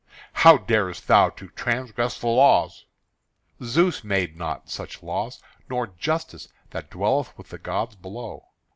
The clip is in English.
"How daredst thou to transgress the laws?" "Zeus made not such laws, nor Justice that dwelleth with the gods below.